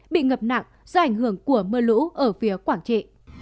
bị ngập nặng do ảnh hưởng của mưa lũ ở phía quảng trị